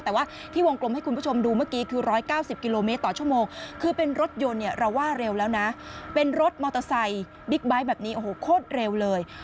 แต่ว่าที่วงกลมให้คุณผู้ชมดูเมื่อกี้คือ๑๙๐กิโลเมตรต่อชั่วโมงคือเป็นรถยนต์เนี่ยเราว่าเร็วแล้วนะเป็นรถมอเตอร์ไซค์บิ๊กไบท์แบบนี้โอ้โหโคตรเร็วเลย